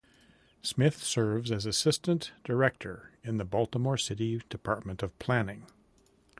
Smith serves as an Assistant Director in the Baltimore City Department of Planning.